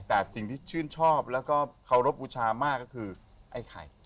แต่สิ่งที่ชื่นชอบแล้วก็เคารพบูชามากก็คือไอ้ไข่